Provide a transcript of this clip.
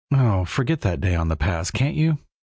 "Oh, forget that day on the pass, can't you?"